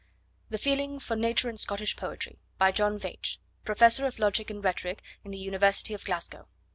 The Feeling for Nature in Scottish Poetry. By John Veitch, Professor of Logic and Rhetoric in the University of Glasgow.